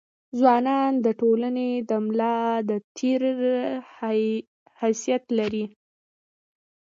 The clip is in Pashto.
ځوانان د ټولني د ملا د تیر حيثيت لري.